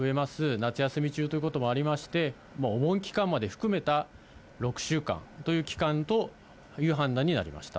夏休み中ということもありまして、お盆期間まで含めた６週間という期間という判断になりました。